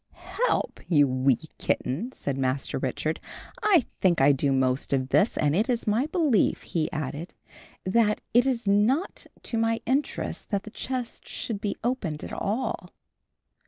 "'Help,' you wee kitten!" said Master Richard; "I think I do most of this; and it is my belief," he added, "that it is not to my interest that the chest should be opened at all."